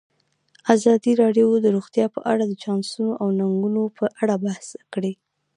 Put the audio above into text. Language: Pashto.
ازادي راډیو د روغتیا په اړه د چانسونو او ننګونو په اړه بحث کړی.